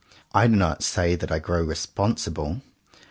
I do not say that I grow responsible.